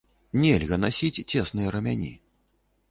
Нельга насіць цесныя рамяні.